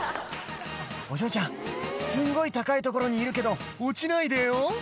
お嬢ちゃんすんごい高い所にいるけど落ちないでよ